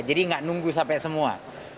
jadi nggak nunggu sampai semua